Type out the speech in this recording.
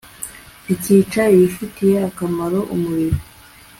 zikica ibifitiye akamaro umubiri